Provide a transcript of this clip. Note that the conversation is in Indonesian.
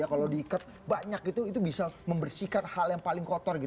kalau diikat banyak itu bisa membersihkan hal yang paling kotor